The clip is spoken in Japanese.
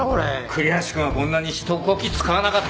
栗橋くんはこんなに人をこき使わなかったよ。